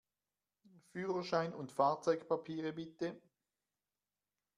Führerschein und Fahrzeugpapiere, bitte!